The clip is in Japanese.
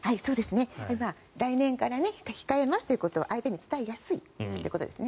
来年から控えますということを相手に伝えやすいということですね。